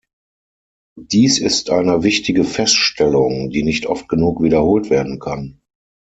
Dies ist eine wichtige Feststellung, die nicht oft genug wiederholt werden kann.